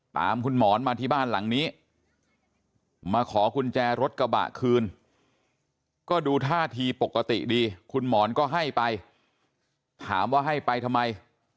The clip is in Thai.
ตามคุณหมอนมาที่บ้านหลังนี้มาขอกุญแจรถกระบะคืนก็ดูท่าทีปกติดีคุณหมอนก็ให้ไปถามว่าให้ไปทำไม